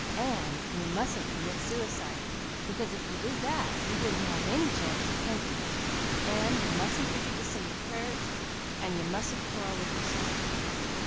And you mustn't commit suicide, because if you did that you wouldn't have any chance of repenting it; and you mustn't forget to say your prayers and you mustn't quarrel with your sister."